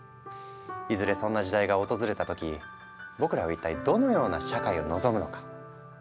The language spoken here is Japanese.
いずれそんな時代が訪れた時僕らはいったいどのような社会を望むのか。